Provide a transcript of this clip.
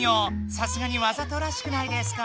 さすがにわざとらしくないですか？